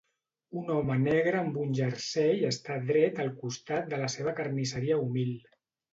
Un home negre amb un jersei està dret al costat de la seva carnisseria humil.